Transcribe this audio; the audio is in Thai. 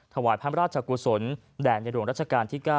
ถวายพระราชกุศลแด่ในหลวงรัชกาลที่๙